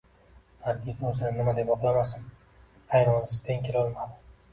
Nargiza o`zini nima deb oqlamasin, qaynonasini teng kelolmadi